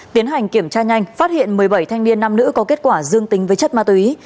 tiến hành kiểm tra nhanh phát hiện một mươi bảy thanh niên nam nữ có kết quả dương tính với chất ma túy